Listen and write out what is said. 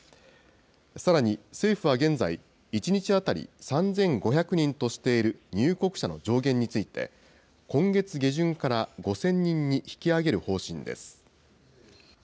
さらに政府は現在、１日当たり３５００人としている入国者の上限について、今月下旬から５０００人に引き上げる方針です。